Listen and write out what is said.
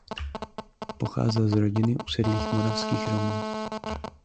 Pocházel z rodiny usedlých moravských Romů.